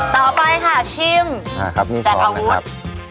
ต่อไปค่ะชิมแต่งอาวุธนี่๒นะครับ